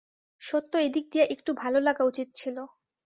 সত্য এদিক দিয়া একটু ভালোলাগা উচিত ছিল।